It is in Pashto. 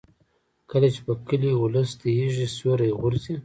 کله چې په کلي ولس د ایږې سیوری غورځي.